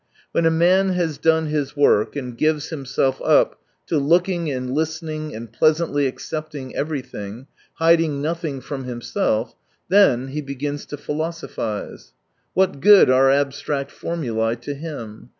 When a man lias done his work, and gives himself up to looking and listening and pleasantly accepting everything, hiding noth ing from himself, then he begins to " philo sophise." What good are abstract formulae to him